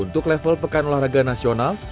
untuk level pekan olahraga nasional